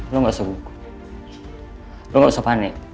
lo gak usah gugup